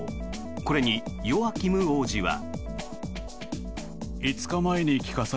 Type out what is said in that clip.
これにヨアキム王子は。